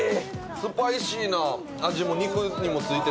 スパイシーな味が肉にも付いてて。